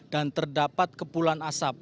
dan terdapat kepulan asap